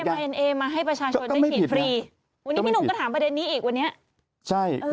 คุณอยากจะให้มี